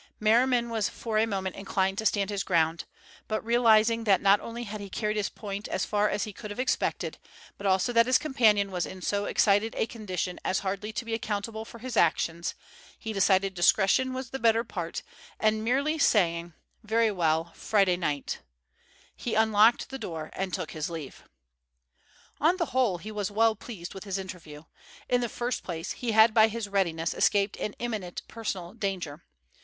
Merriman was for a moment inclined to stand his ground, but, realizing that not only had he carried his point as far as he could have expected, but also that his companion was in so excited a condition as hardly to be accountable for his actions, he decided discretion was the better part, and merely saying: "Very well, Friday night," he unlocked the door and took his leave. On the whole he was well pleased with his interview. In the first place, he had by his readiness escaped an imminent personal danger.